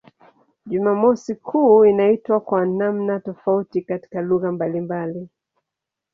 Jumamosi kuu inaitwa kwa namna tofauti katika lugha mbalimbali.